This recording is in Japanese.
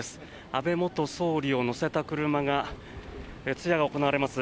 安倍元総理を乗せた車が通夜が行われます